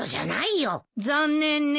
残念ね。